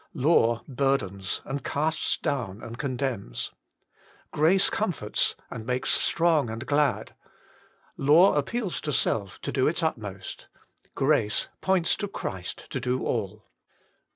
Law burdens, and casts down and condemns ; grace comforts, and makes strong and glad. Law appeals to self, to do its utmost ; grace points to Christ to do all.